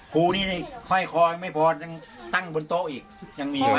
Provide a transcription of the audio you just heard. ครูนี่ห้อยคอยไม่พอยังตั้งบนโต๊ะอีกยังมีปะ